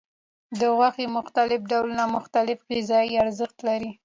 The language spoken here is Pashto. د غوښې مختلف ډولونه مختلف غذایي ارزښت لري.